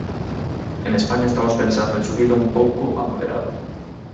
En España estamos pensando en subilo un pouco a moderado.